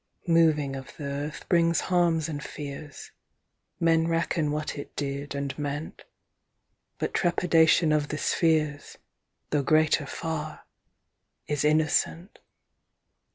Moving of th'earth brings harmes and feares, Men reckon what it did and meant, 10 But trepidation of the spheares, Though greater farre, is innocent.